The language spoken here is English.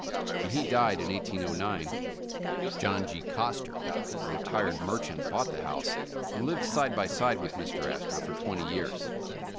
When he died in 1809, John G. Coster, a retired merchant, bought the house and lived side by side with Mr. Astor for twenty years.